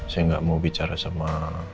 saya nggak mau bicara sama